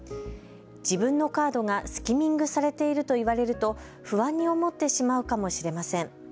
自分のカードがスキミングされていると言われると不安に思ってしまうかもしれません。